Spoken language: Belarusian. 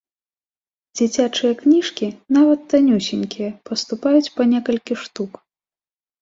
Дзіцячыя кніжкі, нават танюсенькія, паступаюць па некалькі штук.